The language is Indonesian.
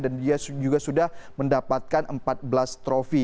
dan dia juga sudah mendapatkan empat belas trofi